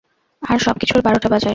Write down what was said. আর সবকিছুর বারোটা বাজায়।